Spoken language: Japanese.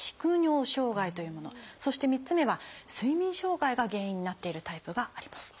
そして３つ目は「睡眠障害」が原因になっているタイプがあります。